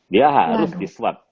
dia harus di swab